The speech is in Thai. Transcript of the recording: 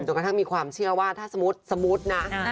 กระทั่งมีความเชื่อว่าถ้าสมมุตินะ